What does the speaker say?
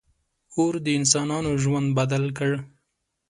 • اور د انسانانو ژوند بدل کړ.